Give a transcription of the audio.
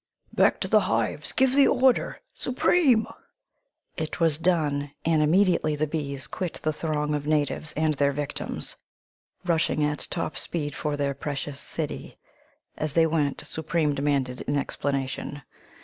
"Back to the hives; give the order, Supreme!" It was done, and immediately the bees quit the throng of natives and their victims, rushing at top speed for their precious city. As they went, Supreme demanded an explanation.